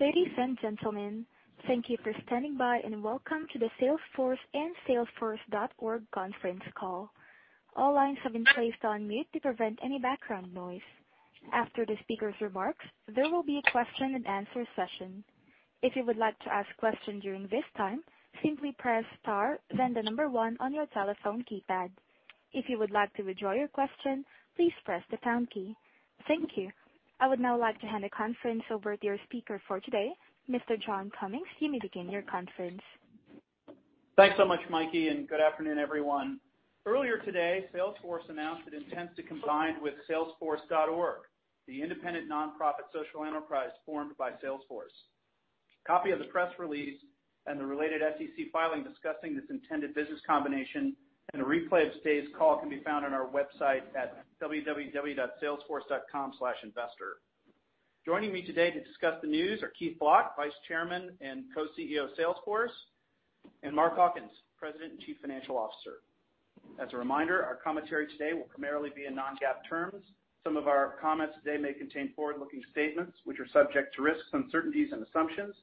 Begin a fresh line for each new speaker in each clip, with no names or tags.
Ladies and gentlemen, thank you for standing by, and welcome to the Salesforce and Salesforce.org conference call. All lines have been placed on mute to prevent any background noise. After the speaker's remarks, there will be a question and answer session. If you would like to ask questions during this time, simply press star then 1 on your telephone keypad. If you would like to withdraw your question, please press the pound key. Thank you. I would now like to hand the conference over to your speaker for today, Mr. John Cummings. You may begin your conference.
Thanks so much, Mikey, and good afternoon, everyone. Earlier today, Salesforce announced it intends to combine with Salesforce.org, the independent nonprofit social enterprise formed by Salesforce. Copy of the press release and the related SEC filing discussing this intended business combination and a replay of today's call can be found on our website at www.salesforce.com/investor. Joining me today to discuss the news are Keith Block, Vice Chairman and co-CEO of Salesforce, and Mark Hawkins, President and Chief Financial Officer. As a reminder, our commentary today will primarily be in non-GAAP terms. Some of our comments today may contain forward-looking statements which are subject to risks, uncertainties, and assumptions.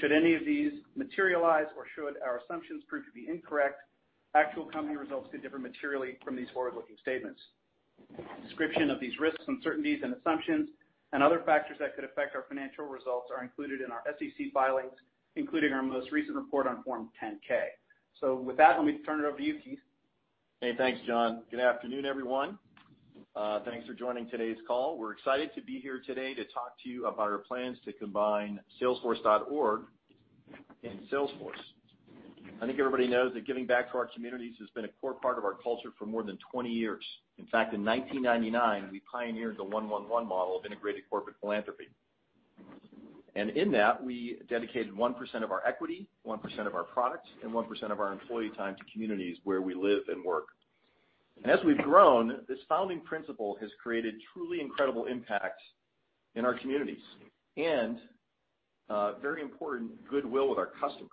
Should any of these materialize or should our assumptions prove to be incorrect, actual company results could differ materially from these forward-looking statements. Description of these risks, uncertainties, and assumptions and other factors that could affect our financial results are included in our SEC filings, including our most recent report on Form 10-K. With that, let me turn it over to you, Keith.
Hey, thanks, John. Good afternoon, everyone. Thanks for joining today's call. We're excited to be here today to talk to you about our plans to combine Salesforce.org and Salesforce. I think everybody knows that giving back to our communities has been a core part of our culture for more than 20 years. In fact, in 1999, we pioneered the 1-1-1 model of integrated corporate philanthropy. In that, we dedicated 1% of our equity, 1% of our products, and 1% of our employee time to communities where we live and work. As we've grown, this founding principle has created truly incredible impact in our communities and, very important, goodwill with our customers.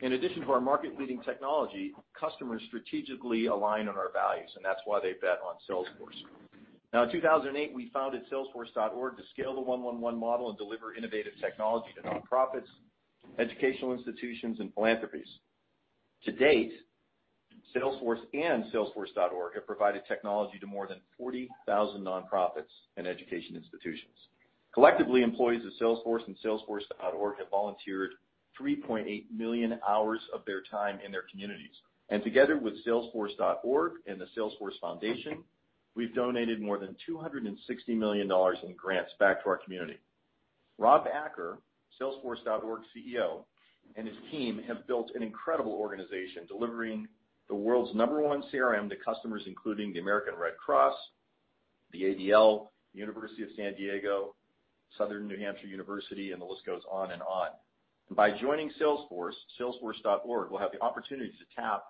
In addition to our market-leading technology, customers strategically align on our values, and that's why they bet on Salesforce. In 2008, we founded Salesforce.org to scale the 1-1-1 model and deliver innovative technology to nonprofits, educational institutions, and philanthropies. To date, Salesforce and Salesforce.org have provided technology to more than 40,000 nonprofits and education institutions. Collectively, employees of Salesforce and Salesforce.org have volunteered 3.8 million hours of their time in their communities. Together with Salesforce.org and the Salesforce Foundation, we've donated more than $260 million in grants back to our community. Rob Acker, Salesforce.org CEO, and his team have built an incredible organization delivering the world's number one CRM to customers, including the American Red Cross, the ADL, University of San Diego, Southern New Hampshire University, and the list goes on and on. By joining Salesforce.org will have the opportunity to tap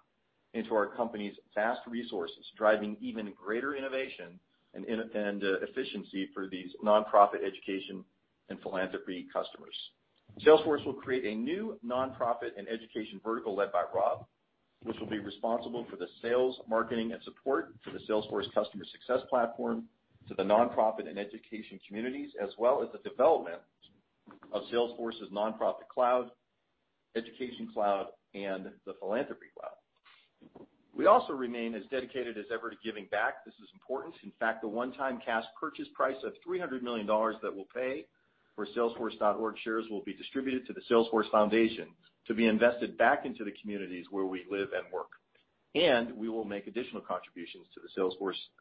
into our company's vast resources, driving even greater innovation and efficiency for these nonprofit education and philanthropy customers. Salesforce will create a new nonprofit and education vertical led by Rob, which will be responsible for the sales, marketing, and support to the Salesforce Customer Success Platform to the nonprofit and education communities, as well as the development of Salesforce's Nonprofit Cloud, Education Cloud, and the Philanthropy Cloud. We also remain as dedicated as ever to giving back. This is important. In fact, the one-time cash purchase price of $300 million that we'll pay for Salesforce.org shares will be distributed to the Salesforce Foundation to be invested back into the communities where we live and work. We will make additional contributions to the Salesforce Foundation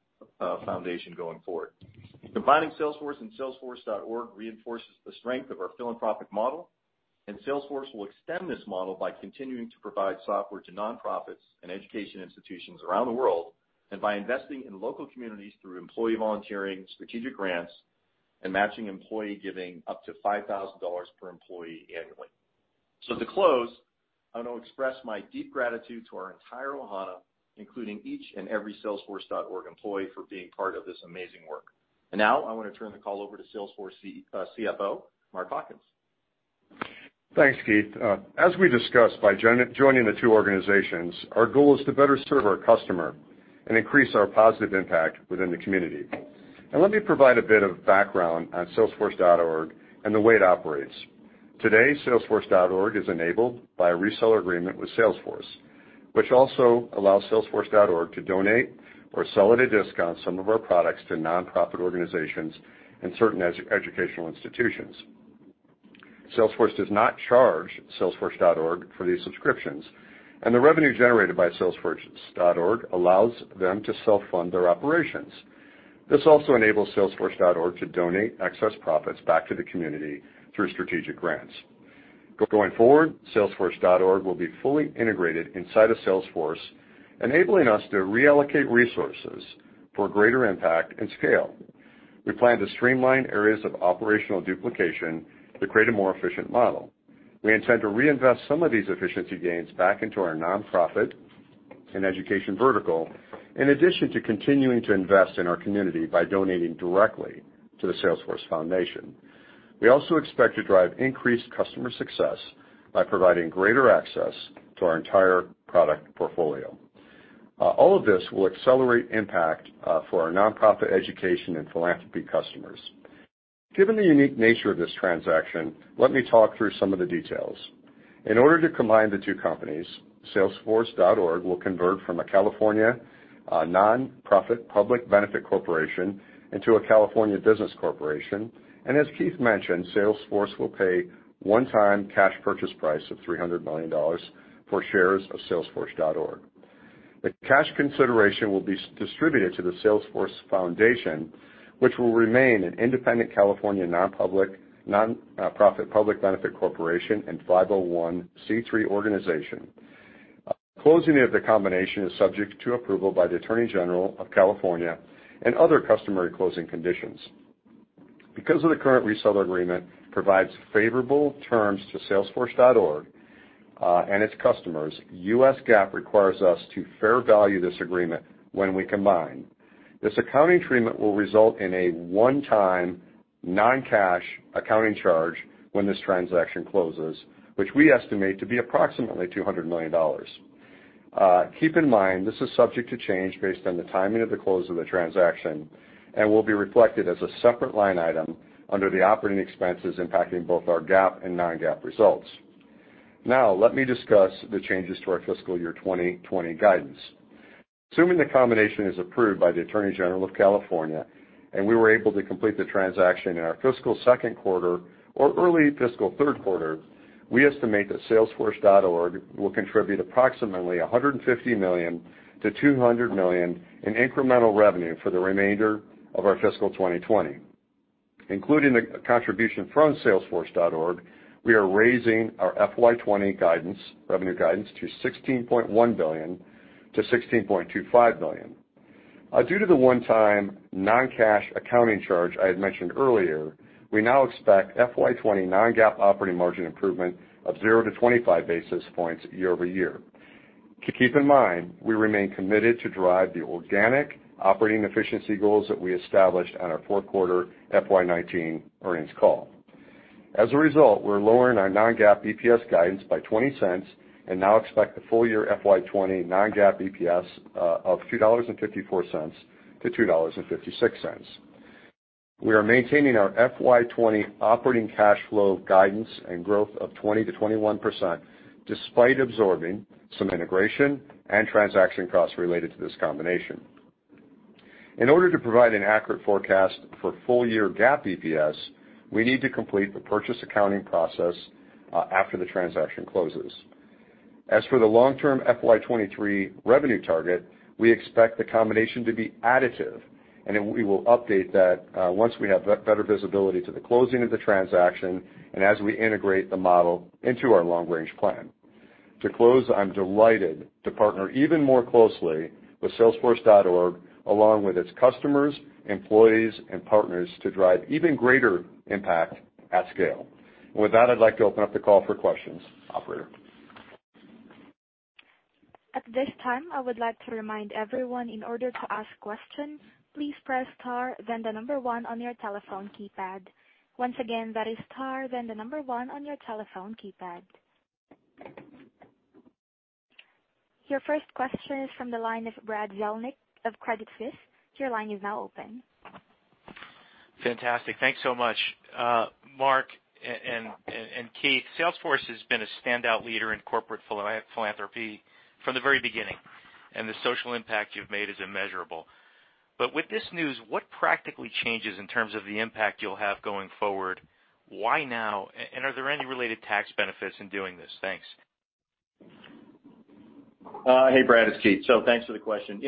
going forward. Combining Salesforce and Salesforce.org reinforces the strength of our philanthropic model, and Salesforce will extend this model by continuing to provide software to nonprofits and education institutions around the world, and by investing in local communities through employee volunteering, strategic grants, and matching employee giving up to $5,000 per employee annually. To close, I want to express my deep gratitude to our entire Ohana, including each and every Salesforce.org employee, for being part of this amazing work. Now I want to turn the call over to Salesforce CFO, Mark Hawkins.
Thanks, Keith. As we discussed, by joining the two organizations, our goal is to better serve our customer and increase our positive impact within the community. Let me provide a bit of background on Salesforce.org and the way it operates. Today, Salesforce.org is enabled by a reseller agreement with Salesforce, which also allows Salesforce.org to donate or sell at a discount some of our products to nonprofit organizations and certain educational institutions. Salesforce does not charge Salesforce.org for these subscriptions, and the revenue generated by Salesforce.org allows them to self-fund their operations. This also enables Salesforce.org to donate excess profits back to the community through strategic grants. Going forward, Salesforce.org will be fully integrated inside of Salesforce, enabling us to reallocate resources for greater impact and scale. We plan to streamline areas of operational duplication to create a more efficient model. We intend to reinvest some of these efficiency gains back into our nonprofit and education vertical, in addition to continuing to invest in our community by donating directly to the Salesforce Foundation. We also expect to drive increased customer success by providing greater access to our entire product portfolio. All of this will accelerate impact for our nonprofit, education, and philanthropy customers. Given the unique nature of this transaction, let me talk through some of the details. In order to combine the two companies, Salesforce.org will convert from a California nonprofit public benefit corporation into a California business corporation. As Keith mentioned, Salesforce will pay one-time cash purchase price of $300 million for shares of Salesforce.org. The cash consideration will be distributed to the Salesforce Foundation, which will remain an independent California nonprofit public benefit corporation and 501(c)(3) organization. Closing of the combination is subject to approval by the Attorney General of California and other customary closing conditions. Because the current reseller agreement provides favorable terms to Salesforce.org and its customers, U.S. GAAP requires us to fair value this agreement when we combine. This accounting treatment will result in a one-time, non-cash accounting charge when this transaction closes, which we estimate to be approximately $200 million. Keep in mind, this is subject to change based on the timing of the close of the transaction and will be reflected as a separate line item under the operating expenses impacting both our GAAP and non-GAAP results. Let me discuss the changes to our fiscal year 2020 guidance. Assuming the combination is approved by the Attorney General of California, we were able to complete the transaction in our fiscal second quarter or early fiscal third quarter, we estimate that Salesforce.org will contribute approximately $150 million-$200 million in incremental revenue for the remainder of our fiscal 2020. Including the contribution from Salesforce.org, we are raising our FY20 revenue guidance to $16.1 billion-$16.25 billion. Due to the one-time, non-cash accounting charge I had mentioned earlier, we now expect FY20 non-GAAP operating margin improvement of 0-25 basis points year-over-year. Keep in mind, we remain committed to drive the organic operating efficiency goals that we established on our fourth quarter FY19 earnings call. We are lowering our non-GAAP EPS guidance by $0.20 and now expect the full year FY20 non-GAAP EPS of $2.54-$2.56. We are maintaining our FY20 operating cash flow guidance and growth of 20%-21%, despite absorbing some integration and transaction costs related to this combination. In order to provide an accurate forecast for full-year GAAP EPS, we need to complete the purchase accounting process after the transaction closes. As for the long-term FY23 revenue target, we expect the combination to be additive, and we will update that once we have better visibility to the closing of the transaction and as we integrate the model into our long-range plan. To close, I'm delighted to partner even more closely with Salesforce.org, along with its customers, employees, and partners, to drive even greater impact at scale. With that, I'd like to open up the call for questions. Operator?
At this time, I would like to remind everyone in order to ask questions, please press star then the number one on your telephone keypad. Once again, that is star then the number one on your telephone keypad. Your first question is from the line of Brad Zelnick of Credit Suisse. Your line is now open.
Fantastic. Thanks so much. Mark and Keith, Salesforce has been a standout leader in corporate philanthropy from the very beginning, and the social impact you've made is immeasurable. With this news, what practically changes in terms of the impact you'll have going forward? Why now? Are there any related tax benefits in doing this? Thanks.
Hey, Brad, it's Keith. Thanks for the question.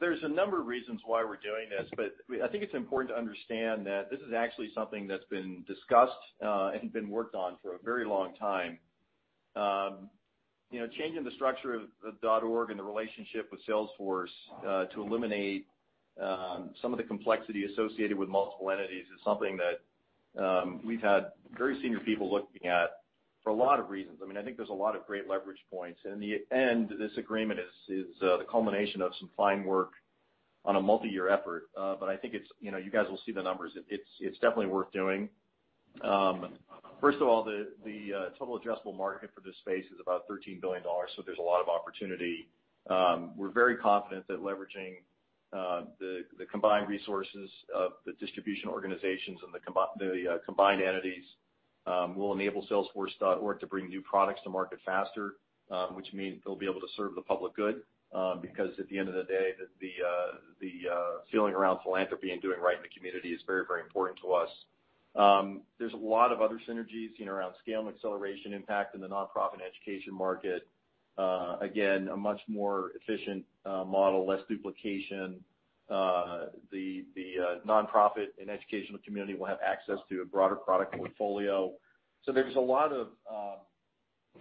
There's a number of reasons why we're doing this, but I think it's important to understand that this is actually something that's been discussed and been worked on for a very long time. Changing the structure of .org and the relationship with Salesforce to eliminate some of the complexity associated with multiple entities is something that we've had very senior people looking at for a lot of reasons. I think there's a lot of great leverage points. In the end, this agreement is the culmination of some fine work on a multi-year effort. I think you guys will see the numbers. It's definitely worth doing. First of all, the total addressable market for this space is about $13 billion, there's a lot of opportunity. We're very confident that leveraging the combined resources of the distribution organizations and the combined entities will enable Salesforce.org to bring new products to market faster, which means they'll be able to serve the public good, because at the end of the day, the feeling around philanthropy and doing right in the community is very, very important to us. There's a lot of other synergies around scale and acceleration impact in the nonprofit and education market. Again, a much more efficient model, less duplication. The nonprofit and educational community will have access to a broader product portfolio. There's a lot of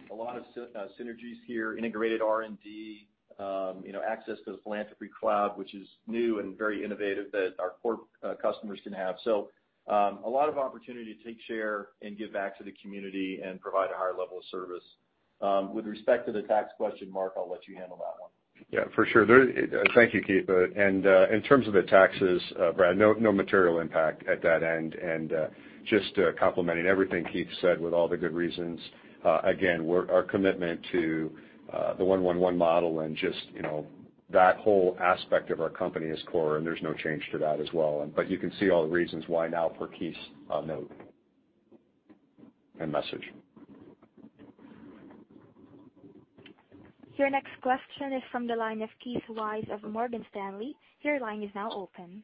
synergies here, integrated R&D, access to the Philanthropy Cloud, which is new and very innovative that our core customers can have. A lot of opportunity to take share and give back to the community and provide a higher level of service. With respect to the tax question, Mark, I'll let you handle that one.
Yeah, for sure. Thank you, Keith. In terms of the taxes, Brad, no material impact at that end. Just complementing everything Keith said with all the good reasons, again, our commitment to the 1-1-1 model and just that whole aspect of our company is core, there's no change to that as well. You can see all the reasons why now per Keith's note and message.
Your next question is from the line of Keith Weiss of Morgan Stanley. Your line is now open.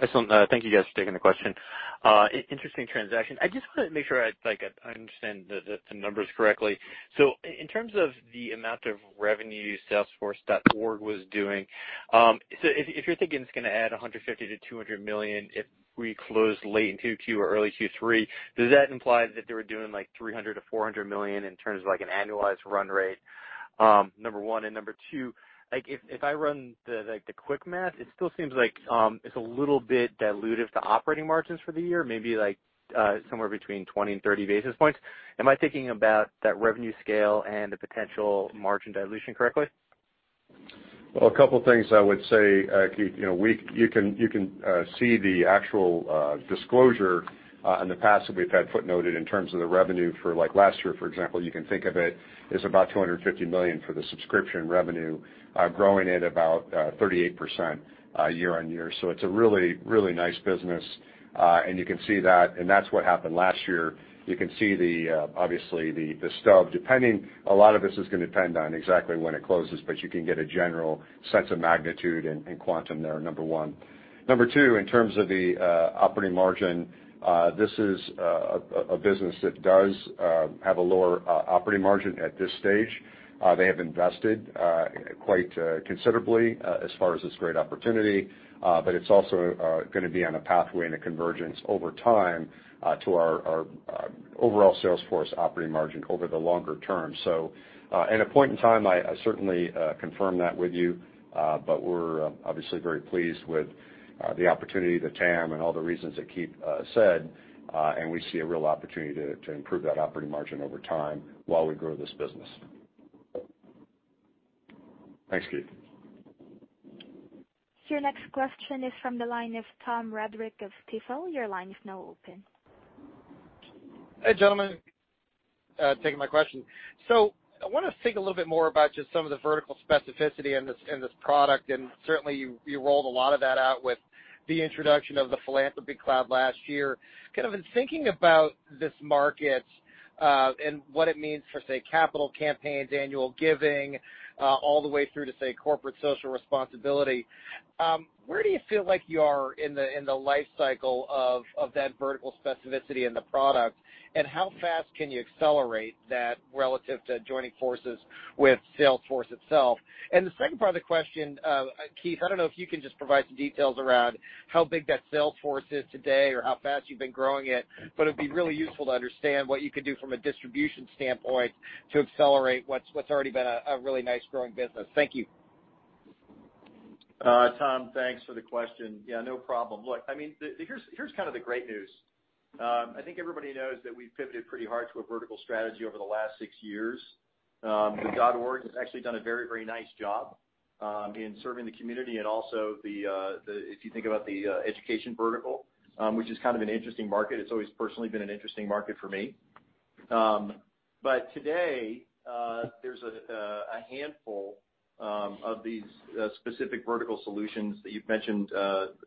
Excellent. Thank you guys for taking the question. Interesting transaction. I just want to make sure I understand the numbers correctly. In terms of the amount of revenue Salesforce.org was doing, if you're thinking it's going to add $150 million-$200 million if we close late in Q2 or early Q3, does that imply that they were doing like $300 million-$400 million in terms of an annualized run rate? Number one. Number two, if I run the quick math, it still seems like it's a little bit dilutive to operating margins for the year, maybe somewhere between 20 and 30 basis points. Am I thinking about that revenue scale and the potential margin dilution correctly?
Well, a couple of things I would say, you can see the actual disclosure, in the past that we've had footnoted in terms of the revenue for like last year, for example, you can think of it as about $250 million for the subscription revenue, growing at about 38% year-on-year. It's a really nice business. You can see that, and that's what happened last year. You can see, obviously, the stub. A lot of this is going to depend on exactly when it closes, you can get a general sense of magnitude and quantum there, number one. Number two, in terms of the operating margin, this is a business that does have a lower operating margin at this stage. They have invested quite considerably as far as this great opportunity. It's also going to be on a pathway and a convergence over time to our overall Salesforce operating margin over the longer term. At a point in time, I certainly confirm that with you. We're obviously very pleased with the opportunity, the TAM, and all the reasons that Keith said. We see a real opportunity to improve that operating margin over time while we grow this business. Thanks, Keith.
Your next question is from the line of Tom Roderick of Stifel. Your line is now open.
Hey, gentlemen. Thank you for taking my question. I want to think a little bit more about just some of the vertical specificity in this product, and certainly you rolled a lot of that out with the introduction of the Philanthropy Cloud last year. Kind of in thinking about this market, and what it means for, say, capital campaigns, annual giving, all the way through to, say, corporate social responsibility, where do you feel like you are in the life cycle of that vertical specificity in the product, and how fast can you accelerate that relative to joining forces with Salesforce itself? The second part of the question, Keith, I don't know if you can just provide some details around how big that Salesforce is today or how fast you've been growing it, but it'd be really useful to understand what you can do from a distribution standpoint to accelerate what's already been a really nice growing business. Thank you.
Tom, thanks for the question. No problem. Look, here's the great news. I think everybody knows that we've pivoted pretty hard to a vertical strategy over the last six years. .org has actually done a very nice job in serving the community, and also if you think about the education vertical, which is kind of an interesting market. It's always personally been an interesting market for me. Today, there's a handful of these specific vertical solutions that you've mentioned,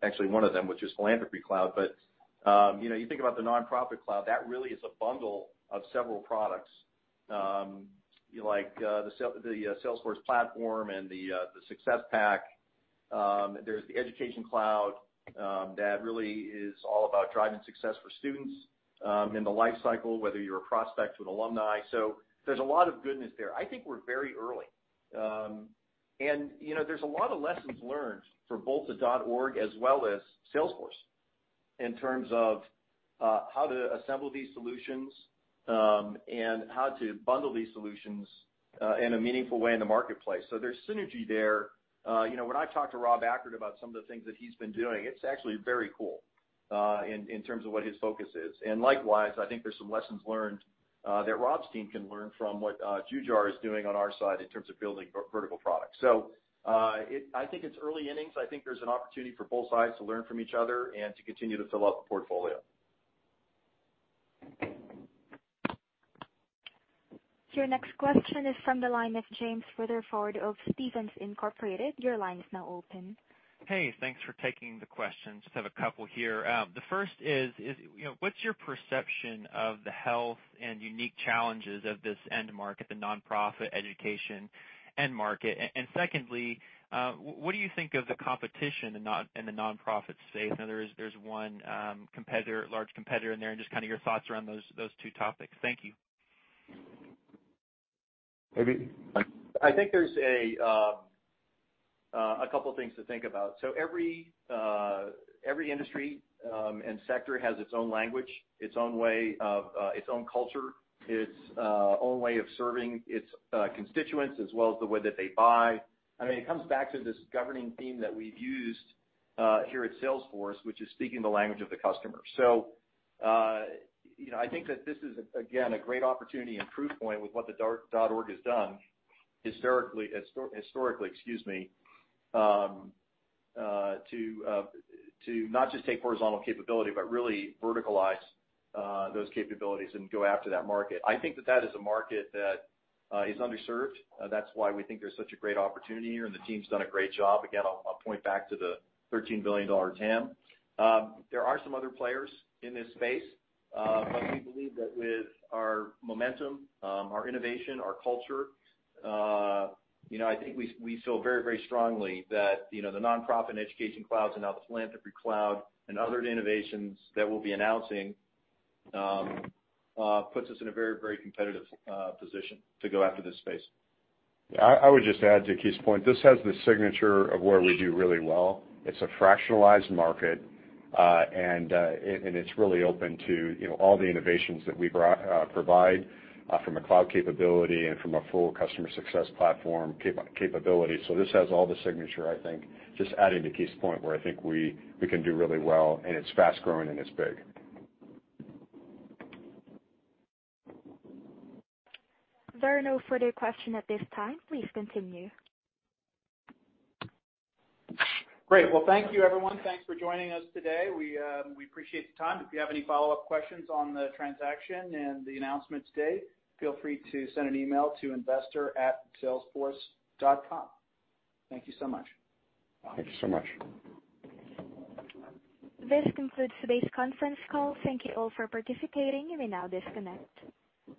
actually one of them, which is Philanthropy Cloud. You think about the Nonprofit Cloud, that really is a bundle of several products like the Salesforce platform and the success pack. There's the Education Cloud, that really is all about driving success for students in the life cycle, whether you're a prospect to an alumni. There's a lot of goodness there. I think we're very early. There's a lot of lessons learned for both the .org as well as Salesforce in terms of how to assemble these solutions, and how to bundle these solutions in a meaningful way in the marketplace. There's synergy there. When I talk to Rob Acker about some of the things that he's been doing, it's actually very cool in terms of what his focus is. Likewise, I think there's some lessons learned that Rob's team can learn from what Jujhar is doing on our side in terms of building vertical products. I think it's early innings. I think there's an opportunity for both sides to learn from each other and to continue to fill out the portfolio.
Your next question is from the line of James Rutherford of Stephens Inc.. Your line is now open.
Hey, thanks for taking the questions. Just have a couple here. The first is, what's your perception of the health and unique challenges of this end market, the nonprofit education end market? Secondly, what do you think of the competition in the nonprofit space? I know there's one large competitor in there, and just kind of your thoughts around those two topics. Thank you.
I think there's a couple of things to think about. Every industry and sector has its own language, its own culture, its own way of serving its constituents as well as the way that they buy. It comes back to this governing theme that we've used here at Salesforce, which is speaking the language of the customer. I think that this is, again, a great opportunity and proof point with what the .org has done historically, excuse me, to not just take horizontal capability, but really verticalize those capabilities and go after that market. I think that that is a market that is underserved. That's why we think there's such a great opportunity, and the team's done a great job. Again, I'll point back to the $13 billion TAM. There are some other players in this space.
We believe that with our momentum, our innovation, our culture, I think we feel very strongly that the Nonprofit Cloud and Education Cloud and now the Philanthropy Cloud and other innovations that we'll be announcing puts us in a very competitive position to go after this space. I would just add to Keith's point, this has the signature of where we do really well. It's a fractionalized market, and it's really open to all the innovations that we provide from a cloud capability and from a full Customer Success Platform capability. This has all the signature, I think, just adding to Keith's point, where I think we can do really well, and it's fast-growing and it's big.
There are no further question at this time. Please continue.
Great. Thank you, everyone. Thanks for joining us today. We appreciate the time. If you have any follow-up questions on the transaction and the announcement today, feel free to send an email to investor@salesforce.com. Thank you so much. Thank you so much.
This concludes today's conference call. Thank you all for participating. You may now disconnect.